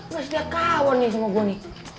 udah setia kawan ya sama gue nih